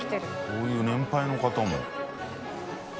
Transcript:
こういう年配の方も。